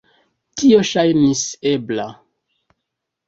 Tio ŝajnis ebla.